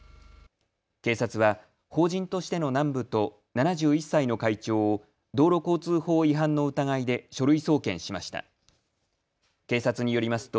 警察は、法人としての南武と７１歳の会長を道路交通法違反の疑いで書類送検しました。